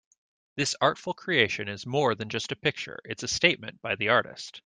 This artful creation is more than just a picture, it's a statement by the artist.